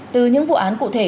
từ những vụ án cụ thể